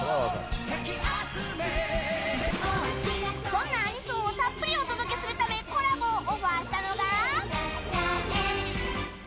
そんなアニソンをたっぷりお届けするためコラボをオファーしたのが。